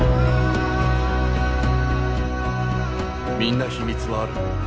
みんな秘密はある。